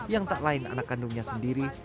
yang tak lain anak kandungnya sendiri